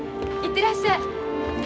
行ってらっしゃい。